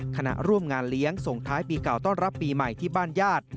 ขณะร่วมงานเลี้ยงส่งท้ายปีเก่าต้อนรับปีใหม่ที่บ้านญาติ